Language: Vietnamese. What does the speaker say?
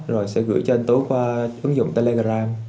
rồi sẽ gửi cho anh tú qua ứng dụng telegram